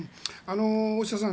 大下さん